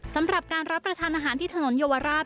สำหรับการรับประทานอาหารที่ถนนเยาวราช